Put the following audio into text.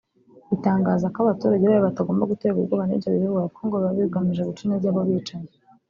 itangaza ko abaturage bayo batagomba guterwa ubwoba n’ibyo bivugwa kuko ngo biba bigamije guca intege abo bicanyi